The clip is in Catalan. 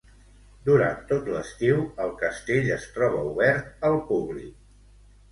Durant tot l'estiu, el castell es troba obert al públic.